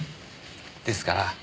ですから